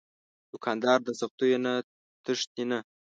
دوکاندار د سختیو نه تښتي نه.